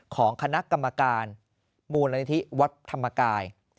ของคณะกรรมการมูลนิธิวัดธรรมกาย